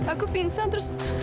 aku pingsan terus